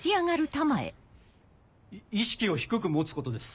い意識を低く持つことです。